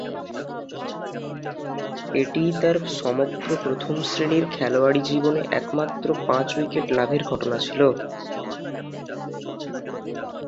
এটিই তার সমগ্র প্রথম-শ্রেণীর খেলোয়াড়ী জীবনে একমাত্র পাঁচ-উইকেট লাভের ঘটনা ছিল।